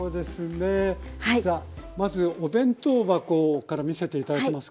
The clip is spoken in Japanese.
さあまずお弁当箱から見せて頂けますか？